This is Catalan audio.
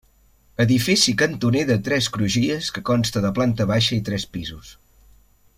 Edifici cantoner de tres crugies que consta de planta baixa i tres pisos.